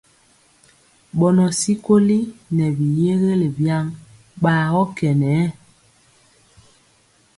Bɔnɔ tyikoli nɛ bi yégelé biaŋg bagɔ kɛ nɛ.